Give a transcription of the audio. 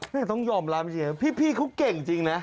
ต้องยอมรับจริงพี่เขาเก่งจริงนะ